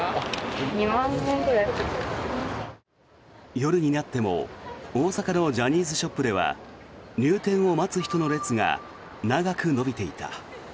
夜になっても大阪のジャニーズショップでは入店を待つ人の列が長く延びていた。